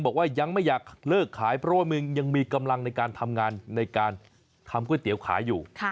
บอกว่ายังไม่อยากเลิกขายเพราะมันมีกำลังทำเก้าเตี๋ยวขายอยู่